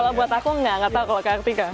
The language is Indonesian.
kalau buat aku nggak tahu kalau kartika